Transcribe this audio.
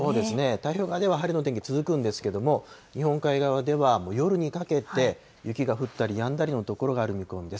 太平洋側では、晴れの天気続くんですけども、日本海側では夜にかけて、雪が降ったりやんだりの所がある見込みです。